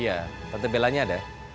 iya tante bella nya ada